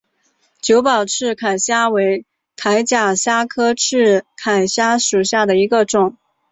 久保刺铠虾为铠甲虾科刺铠虾属下的一个种。